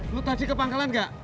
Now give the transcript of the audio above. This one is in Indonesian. lu tadi ke pangkalan gak